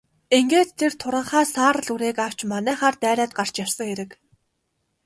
Ингээд тэр туранхай саарал үрээг авч манайхаар дайраад гарч явсан хэрэг.